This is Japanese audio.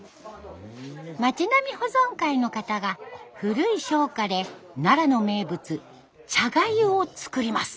町並み保存会の方が古い商家で奈良の名物茶粥を作ります。